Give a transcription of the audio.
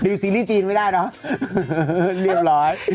ซีรีส์จีนไม่ได้เนอะเรียบร้อย